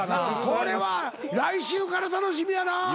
これは来週から楽しみやな。